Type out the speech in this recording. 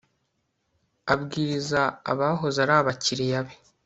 abwiriza abahoze ari abakiriya be